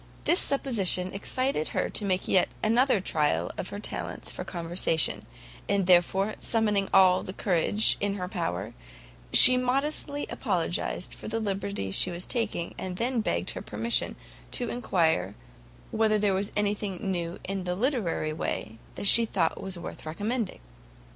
This supposition excited her to make yet another trial of her talents for conversation, and therefore, summoning all the courage in her power, she modestly apologised for the liberty she was taking, and then begged her permission to enquire whether there was anything new in the literary way that she thought worth recommending?